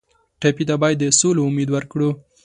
ټپي ته باید د سولې امید ورکړو.